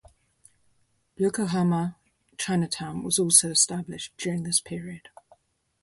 Yokohama Chinatown was also established during this period.